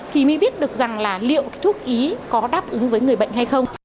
thì mới biết được rằng là liệu thuốc ý có đáp ứng với người bệnh hay không